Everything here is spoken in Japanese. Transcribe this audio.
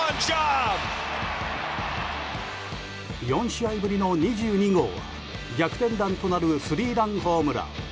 ４試合ぶりの２２号は逆転弾となるスリーランホームラン。